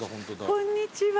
こんにちは。